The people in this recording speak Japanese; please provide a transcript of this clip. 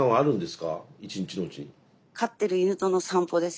飼ってる犬との散歩です。